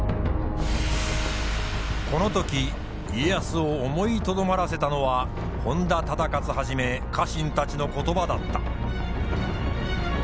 この時家康を思いとどまらせたのは本多忠勝はじめ家臣たちの言葉だった。